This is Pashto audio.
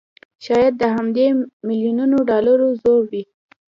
شايد د همدې مليونونو ډالرو زور وي